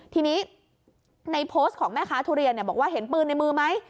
ทีนี้ในโพสต์ของแม่ค้าทุเรียนบอกว่าเห็นปืนในมือไหม